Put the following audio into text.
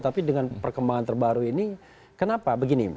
tapi dengan perkembangan terbaru ini kenapa begini